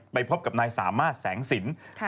พบกับนายสามารถแสงสิน